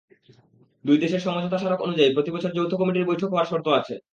দুই দেশের সমঝোতা স্মারক অনুযায়ী, প্রতিবছর যৌথ কমিটির বৈঠক হওয়ার শর্ত আছে।